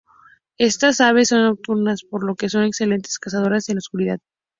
Estas aves son nocturnas, por lo que son excelentes cazadores en la oscuridad.